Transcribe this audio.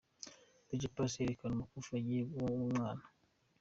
Dj Pius yerekana umukufi agiye guha uyu mwana .